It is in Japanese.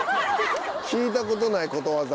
聞いたことないことわざ。